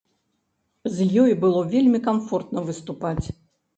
З ёю было вельмі камфортна выступаць.